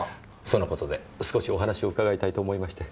その事で少しお話を伺いたいと思いまして。